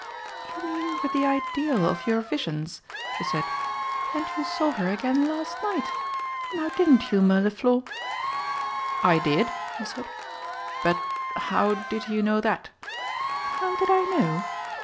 "You mean with the ideal of your visions?" she said. "And you saw her again last night. Now didn't you, Mirliflor?" "I did," he said; "but how did you know that?" "How did I know?